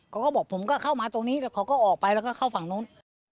เขาก็บอกผมก็เข้ามาตรงนี้แล้วเขาก็ออกไปแล้วก็เข้าฝั่งนู้น